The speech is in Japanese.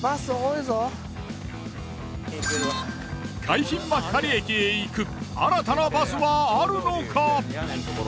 海浜幕張駅へ行く新たなバスはあるのか？